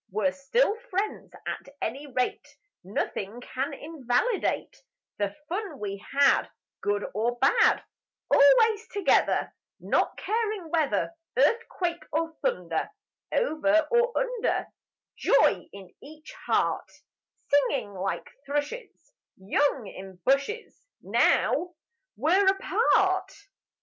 We're still friends at any rate; Nothing can invalidate The fun we had, Good or bad, Always together, Not caring whether Earthquake or thunder, Over or under; Joy in each heart; Singing like thrushes Young in bushes: Now we're apart.